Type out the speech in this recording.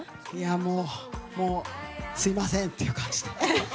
もう、すみませんっていう感じで。